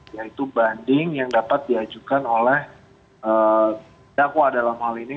yaitu banding yang dapat diajukan oleh dakwa dalam hal ini